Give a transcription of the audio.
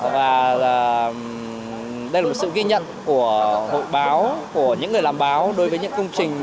và đây là một sự ghi nhận của hội báo của những người làm báo đối với những công trình